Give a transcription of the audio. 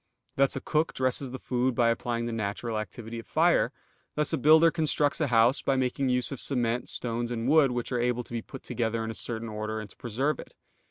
Thus a cook dresses the food by applying the natural activity of fire; thus a builder constructs a house, by making use of cement, stones, and wood which are able to be put together in a certain order and to preserve it.